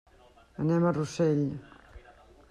Anem a Rossell.